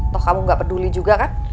toh kamu gak peduli juga kan